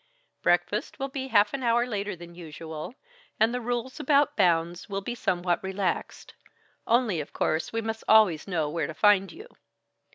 Breakfast will be half an hour later than usual, and the rules about bounds will be somewhat relaxed only of course we must always know where to find you.